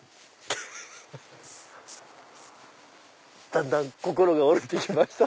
だんだん心が折れて来ました。